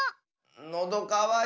のどかわいた。